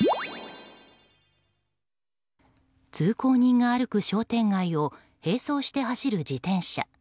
通行人が歩く商店街を並走して走る自転車。